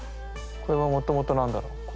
これはもともと何だろう？